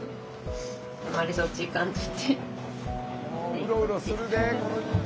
うろうろするで。